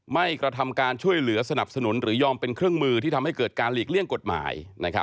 กระทำการช่วยเหลือสนับสนุนหรือยอมเป็นเครื่องมือที่ทำให้เกิดการหลีกเลี่ยงกฎหมาย